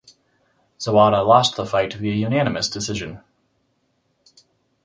Zawada lost the fight via unanimous decision.